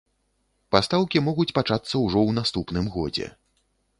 Пастаўкі могуць пачацца ўжо ў наступным годзе.